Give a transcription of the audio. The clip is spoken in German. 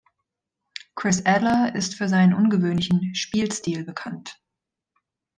Chris Adler ist für seinen ungewöhnlichen Spielstil bekannt.